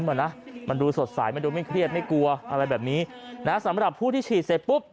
อ่ะนะมันดูสดใสมันดูไม่เครียดไม่กลัวอะไรแบบนี้นะสำหรับผู้ที่ฉีดเสร็จปุ๊บ